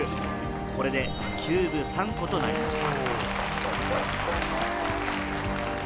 これでキューブ３個となりました。